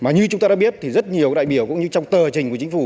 như chúng ta đã biết thì rất nhiều đại biểu cũng như trong tờ trình của chính phủ